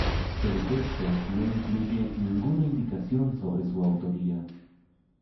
El texto no incluye ninguna indicación sobre su autoría.